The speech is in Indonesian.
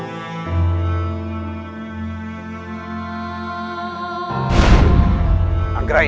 aku masih enggak peduli